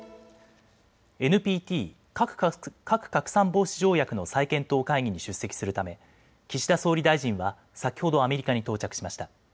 ＮＰＴ・核拡散防止条約の再検討会議に出席するため岸田総理大臣は先ほどアメリカに到着しました。